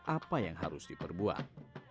apa yang harus diperbuat